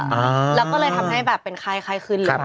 แล้วก็เลยทำให้แบบเป็นไข้ขึ้นเลยค่ะ